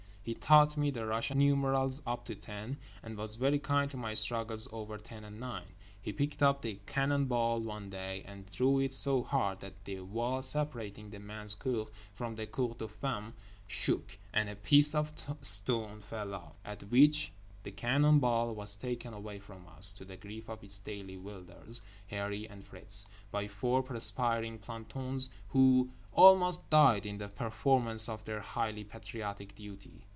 He taught me the Russian numerals up to ten, and was very kind to my struggles over 10 and 9. He picked up the cannon ball one day and threw it so hard that the wall separating the men's cour from the cour des femmes shook, and a piece of stone fell off. At which the cannon ball was taken away from us (to the grief of its daily wielders, Harree and Fritz) by four perspiring plantons, who almost died in the performance of their highly patriotic duty.